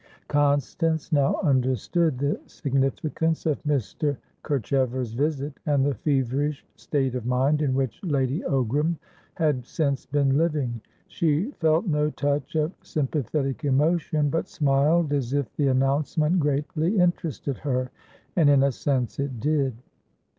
Constance now understood the significance of Mr. Kerchever's visit, and the feverish state of mind in which Lady Ogram had since been living. She felt no touch of sympathetic emotion, but smiled as if the announcement greatly interested her; and in a sense it did.